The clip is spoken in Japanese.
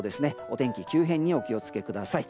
お天気急変にお気をつけください。